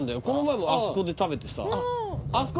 この前もあそこで食べてさあ